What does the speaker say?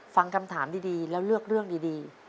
ฟังคำถามดีแล้วเลือกเรื่องดี